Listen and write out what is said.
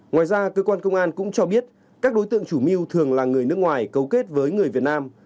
ngoài ra cơ quan công an cũng cho biết các đối tượng chủ mưu thường là người nước ngoài cấu kết với người việt nam